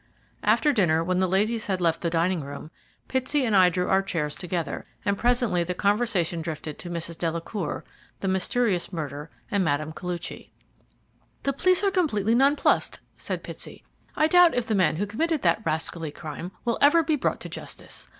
After dinner, when the ladies had left the dining room, Pitsey and I drew our chairs together, and presently the conversation drifted to Mrs. Delacour, the mysterious murder, and Mme. Koluchy. "The police are completely nonplussed," said Pitsey. "I doubt if the man who committed that rascally crime will ever be brought to justice.